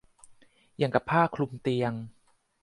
อย่างกับผ้าคลุมเตียง